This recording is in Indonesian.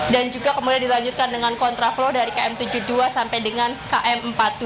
dan juga kemudian dilanjutkan dengan kontra flow dari km tujuh puluh dua sampai dengan km empat puluh tujuh